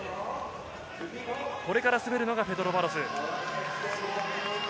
これから滑るのがペドロ・バロス。